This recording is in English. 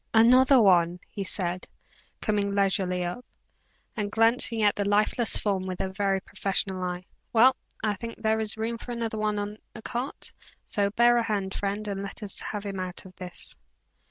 "Another one!" he said, coming leisurely up, and glancing at the lifeless form with a very professional eye. "Well, I think there is room for another one in the cart; so bear a hand, friend, and let us have him out of this."